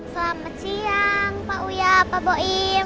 selamat siang pak uya pak boim